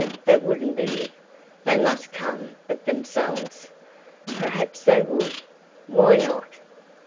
That wouldn't be it. They must come of themselves. Perhaps they would. Why not?